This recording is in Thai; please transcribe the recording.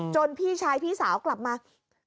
พี่ชายพี่สาวกลับมา